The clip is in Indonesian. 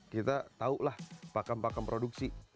kita tau lah pakam pakam produksi